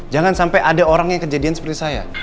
jangan sampai ada orangnya kejadian seperti saya